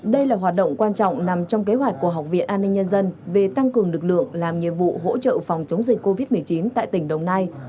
đây là hoạt động quan trọng nằm trong kế hoạch của học viện an ninh nhân dân về tăng cường lực lượng làm nhiệm vụ hỗ trợ phòng chống dịch covid một mươi chín tại tỉnh đồng nai